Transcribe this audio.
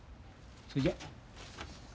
そいじゃ。